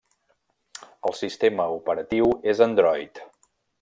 El sistema operatiu és Android.